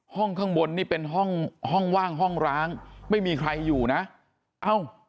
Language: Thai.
ข้างข้างบนนี่เป็นห้องห้องว่างห้องร้างไม่มีใครอยู่นะเอ้า